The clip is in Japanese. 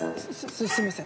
すすすみません。